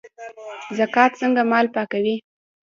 زکات څنګه مال پاکوي؟